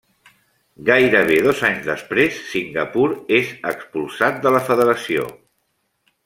Gairebé dos anys després Singapur és expulsat de la federació.